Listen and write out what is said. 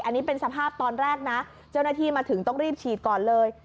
อันนี้เป็นสภาพตอนแรกนะเจ้าหน้าที่มาถึงต้องรีบฉีดก่อนเลย